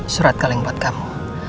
surat kaleng buat kamu